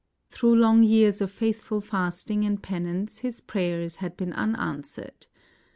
Through long years of faithful fasting and penance his prayers had been unanswered.